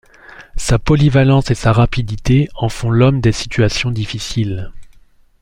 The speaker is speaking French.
Sa polyvalence et sa rapidité en font l'homme des situations difficiles.